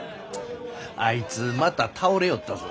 あいつまた倒れよったぞ。